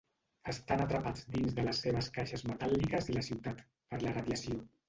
Estan atrapats dins de les seves caixes metàl·liques i la ciutat, per la radiació.